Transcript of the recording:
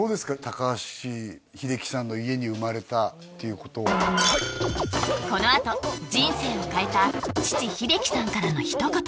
高橋英樹さんの家に生まれたっていうことこのあと人生を変えた父英樹さんからのひと言